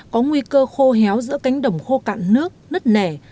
có nguy cơ khô héo giữa cánh đồng khô cạn nước nứt nẻ